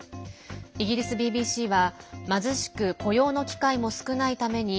イギリスＢＢＣは貧しく雇用の機会も少ないために